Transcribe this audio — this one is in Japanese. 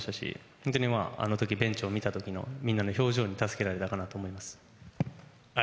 本当にあの時ベンチを見た時のみんなの表情に助けられたかなと思います。